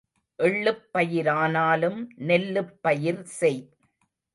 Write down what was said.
எள்ளுப் பயிரானாலும் நெல்லுப் பயிர் செய்.